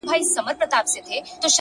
چي سُجده پکي؛ نور په ولاړه کيږي؛